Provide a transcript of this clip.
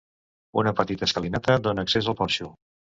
Una petita escalinata dóna accés al porxo.